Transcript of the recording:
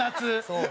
そう。